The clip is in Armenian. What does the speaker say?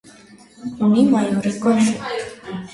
Ունի մայորի կոչում։